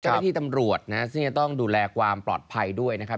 เจ้าหน้าที่ตำรวจนะซึ่งจะต้องดูแลความปลอดภัยด้วยนะครับ